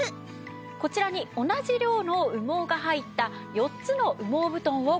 こちらに同じ量の羽毛が入った４つの羽毛布団をご用意しました。